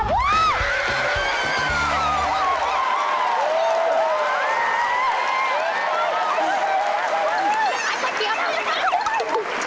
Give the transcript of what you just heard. ได้ค่า